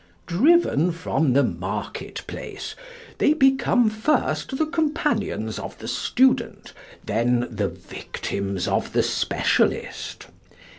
Driven from the marketplace they become first the companions of the student, then the victims of the specialist.